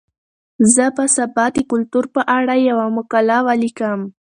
زه به سبا د کلتور په اړه یوه مقاله ولیکم.